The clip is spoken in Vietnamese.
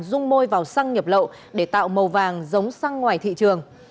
rung môi vào xăng nhập lậu để tạo màu vàng giống xăng ngoài thị trường